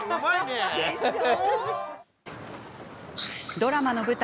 ドラマの舞台